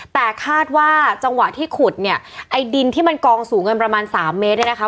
แต่คาดว่าจังหวะที่ขุดเนี่ยไอ้ดินที่มันกองสูงกันประมาณสามเมตรเนี่ยนะคะ